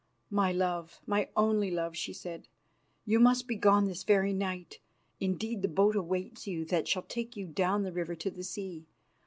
"My love, my only love," she said, "you must begone this very night; indeed, the boat awaits you that shall take you down the river to the sea.